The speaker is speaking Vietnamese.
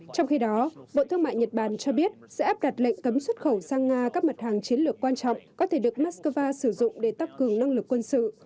trong khi đó bộ thương mại nhật bản cho biết sẽ áp đặt lệnh cấm xuất khẩu sang nga các mặt hàng chiến lược quan trọng có thể được moscow sử dụng để tăng cường năng lực quân sự